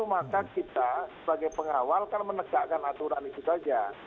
maka kita sebagai pengawal kan menegakkan aturan itu saja